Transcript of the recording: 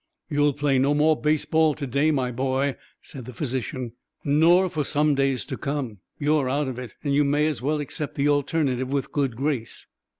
"You'll play no more baseball to day, my boy," said the physician; "nor for some days to come. You're out of it, and you may as well accept the alternative with good grace."